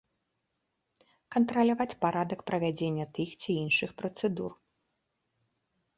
Кантраляваць парадак правядзення тых ці іншых працэдур.